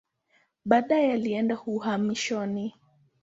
Baadaye alienda uhamishoni.